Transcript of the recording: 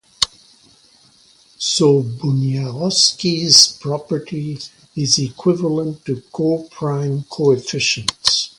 So Bunyakovsky's property is equivalent to coprime coefficients.